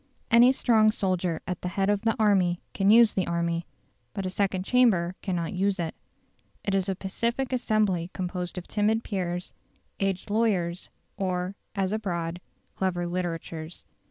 Any strong soldier at the head of the army can use the army. But a second chamber cannot use it. It is a pacific assembly composed of timid peers, aged lawyers, or, as abroad, clever litterateurs.